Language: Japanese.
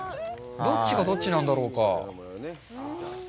どっちがどっちなんだろうか。